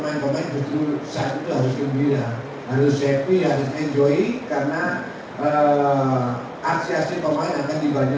saya sampaikan justru dengan lapangan yang besar lapangan yang hebat mega